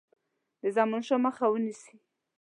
د زمانشاه مخه ونیسي.